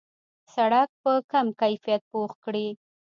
سړک په کم کیفیت پخ کړي.